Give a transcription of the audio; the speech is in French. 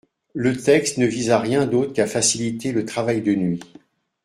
Le texte ne vise à rien d’autre qu’à faciliter le travail de nuit.